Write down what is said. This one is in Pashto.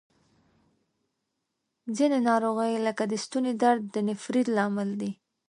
ځینې ناروغۍ لکه د ستوني درد د نفریت لامل دي.